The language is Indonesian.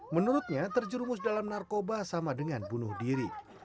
menurutnya terjerumus dalam narkoba sama dengan bunuh diri